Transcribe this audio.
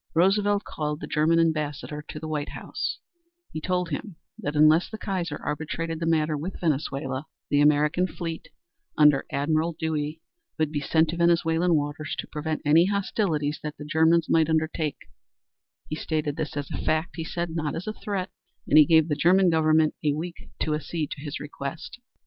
Roosevelt called the German Ambassador to the White House; he told him that unless the Kaiser arbitrated the matter with Venezuela, the American fleet under Admiral Dewey would be sent to Venezuelan waters to prevent any hostilities that the Germans might undertake; he stated this as a fact, he said, not as a threat, and he gave the German Government a week to accede to his request.